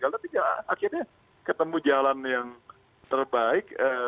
tapi akhirnya ketemu jalan yang terbaik